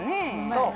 そう！